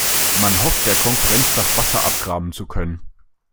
Man hofft, der Konkurrenz das Wasser abgraben zu können.